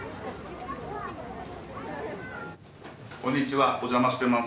こんにちはお邪魔してます。